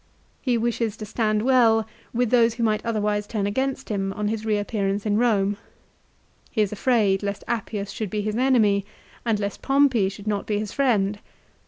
He wishes to stand well with those who might otherwise turn against him on his reappearance in Rome. He is afraid lest Appius should be his enemy and lest Pompey should not be his friend.